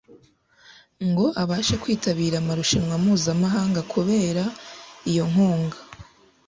ngo abashe kwitabira amarushanwa mpuzamahanga Kubera iyo nkunga